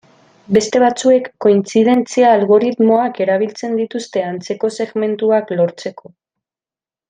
Beste batzuek kointzidentzia-algoritmoak erabiltzen dituzte antzeko segmentuak lortzeko.